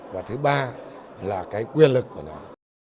và thứ ba là cái quyền lực của nó